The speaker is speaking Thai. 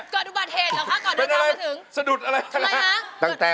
คุณทอนี่